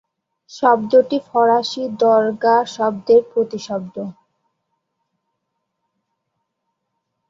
শব্দটি ফারসী দরগাহ শব্দের প্রতিশব্দ।